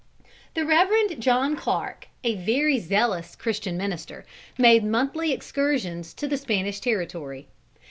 The Reverend John Clark, a very zealous Christian minister, made monthly excursions to the Spanish territory.